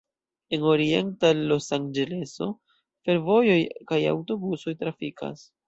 En Orienta Losanĝeleso fervojoj kaj aŭtobusoj trafikas.